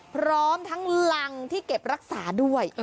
พร้อมทั้งรังที่เก็บรักษาด้วย